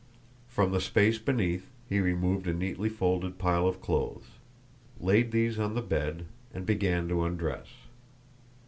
From the space beneath he removed a neatly folded pile of clothes, laid these on the bed, and began to undress.